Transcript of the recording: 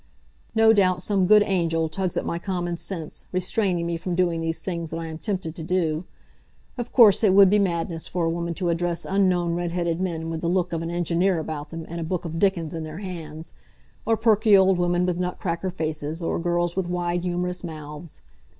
No doubt some good angel tugs at my common sense, restraining me from doing these things that I am tempted to do. Of course it would be madness for a woman to address unknown red headed men with the look of an engineer about them and a book of Dickens in their hands; or perky old women with nutcracker faces; or girls with wide humorous mouths.